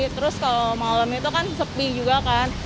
terus kalau malam itu kan sepi juga kan